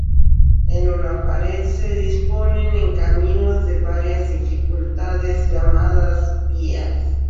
En una pared, se disponen en caminos de varias dificultades llamadas vías.